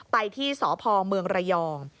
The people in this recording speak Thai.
ไปที่สพเมืองระยอง